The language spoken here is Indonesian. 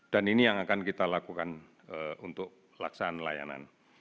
dan ini yang akan kita lakukan untuk laksana layanan